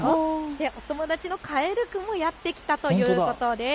お友達のカエル君もやって来たということです。